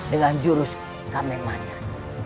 dengan jurus kame manyan